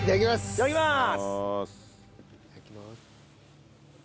いただきます。